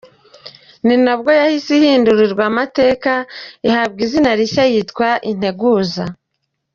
Ni nabwo yahise ihindurirwa amateka ihabwa izina rishya yitwa “Integuza”.